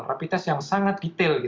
rapid test yang sangat detail